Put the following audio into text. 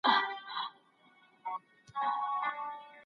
کله د ځوانانو غوښتنې جدي نیول کیږي؟